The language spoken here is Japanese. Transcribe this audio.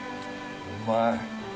うまい。